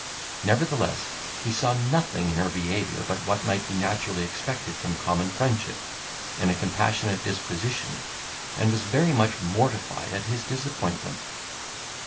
Nevertheless, he saw nothing in her behaviour but what might be naturally expected from common friendship, and a compassionate disposition, and was very much mortified at his disappointment.